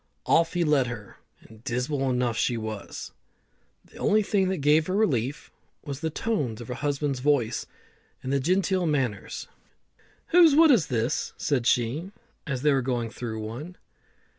Off he led her, and dismal enough she was. The only thing that gave her relief was the tones of her husband's voice and his genteel manners. "Whose wood is this?" said she, as they were going through one.